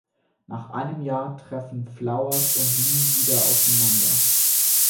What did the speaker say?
Nach einem Jahr treffen Flowers und Leigh wieder aufeinander.